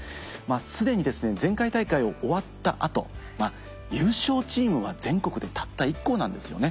既にですね前回大会を終わった後優勝チームは全国でたった１校なんですよね。